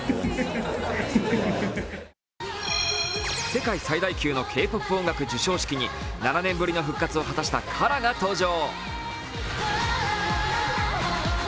世界最大級のＫ−ＰＯＰ音楽授賞式に７年ぶりの復活を果たしたＫＡＲＡが登場。